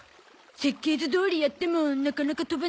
設計図どおりやってもなかなか飛ばなくて。